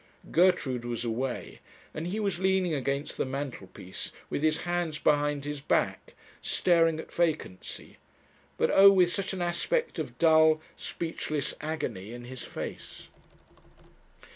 Gertrude was away, and he was leaning against the mantelpiece, with his hands behind his back, staring at vacancy; but oh! with such an aspect of dull, speechless agony in his face.